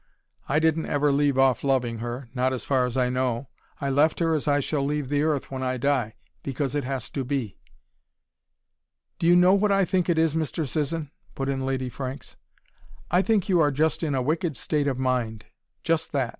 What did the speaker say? I didn't ever leave off loving her not as far as I know. I left her as I shall leave the earth when I die because it has to be." "Do you know what I think it is, Mr. Sisson?" put in Lady Franks. "I think you are just in a wicked state of mind: just that. Mr.